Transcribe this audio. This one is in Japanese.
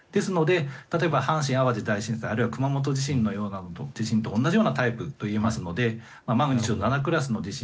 例えば阪神・淡路大震災あるいは熊本地震のようなものと同じようなタイプといえますのでマグニチュード７クラスの地震